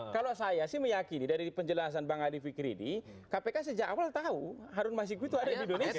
kalau saya sih meyakini dari penjelasan bang ali fikri ini kpk sejak awal tahu harun masiku itu ada di indonesia